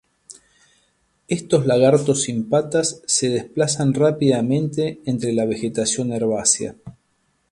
Estos lagartos sin patas se desplazan rápidamente entre la vegetación herbácea.